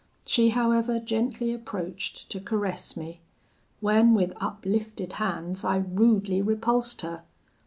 She however gently approached to caress me, when with uplifted hands I rudely repulsed her.